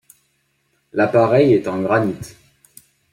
L'appareil est en Granit.